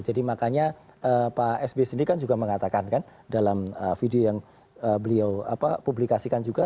jadi makanya pak s b sendiri kan juga mengatakan kan dalam video yang beliau publikasikan juga